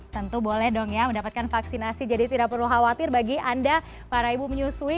tentu boleh dong ya mendapatkan vaksinasi jadi tidak perlu khawatir bagi anda para ibu menyusui